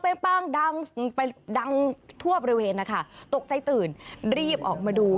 ป้างดังไปดังทั่วบริเวณนะคะตกใจตื่นรีบออกมาดู